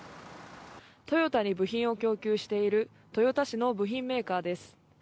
トヨタに部品を供給している豊田市の部品メーカーです。